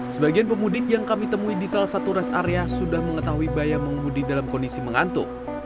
sebagian pemudik yang kami temui di salah satu rest area sudah mengetahui bayam mengemudi dalam kondisi mengantuk